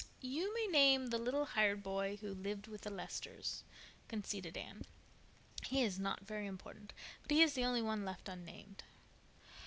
"You may name the little hired boy who lived with the Lesters," conceded Anne. "He is not very important, but he is the only one left unnamed."